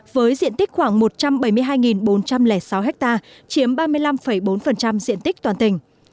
với diện tích khoảng một trăm bảy mươi hai bốn trăm linh sáu ha chiếm ba mươi năm bốn diện tích toàn tỉnh